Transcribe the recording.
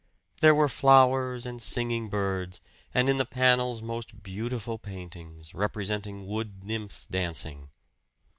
There were flowers and singing birds, and in the panels most beautiful paintings, representing wood nymphs dancing.